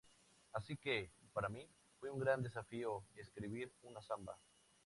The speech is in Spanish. Así que, para mí, fue un gran desafío escribir una samba".